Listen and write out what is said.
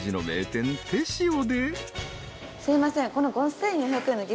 すいません。